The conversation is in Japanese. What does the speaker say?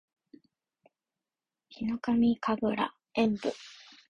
ヒノカミ神楽炎舞（ひのかみかぐらえんぶ）